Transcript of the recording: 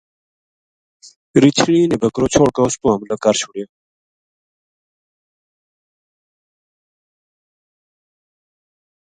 رچھنی نے بکرو چھوڈ کے اس پو حملو کر چھُڑیو